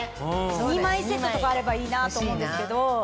２枚セットとかあればいいなと思うんですけど。